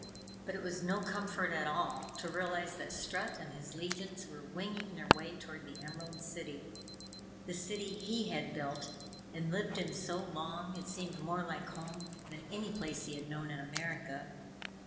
But it was no comfort at all to realize that Strut and his legions were winging their way toward the Emerald City the city he had built and lived in so long it seemed more like home than any place he had known in America.